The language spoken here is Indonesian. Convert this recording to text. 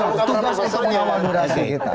bukan masalahnya karena usaha ya